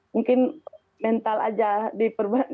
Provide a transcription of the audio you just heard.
mungkin mental aja diperluan